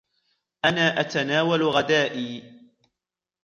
أنا أتناول غدائي.